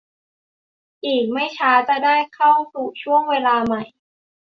อีกไม่ช้าจะได้เข้าสู่ช่วงเวลาใหม่